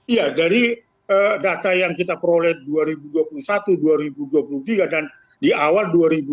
iya dari data yang kita peroleh dua ribu dua puluh satu dua ribu dua puluh tiga dan di awal dua ribu dua puluh